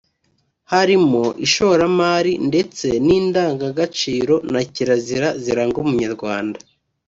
harimo ishoramari ndetse n’indanga gaciro na kirazira ziranga Umunyarwanda